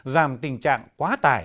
giảm tình trạng quá tải